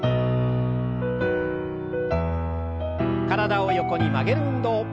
体を横に曲げる運動。